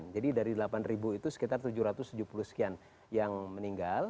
jadi dari delapan itu sekitar tujuh ratus tujuh puluh sekian yang meninggal